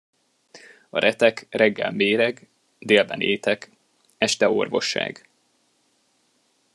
A retek reggel méreg, délben étek, este orvosság.